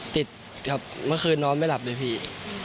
ติดกับเมื่อคืนนอนไม่หลับเลยพี่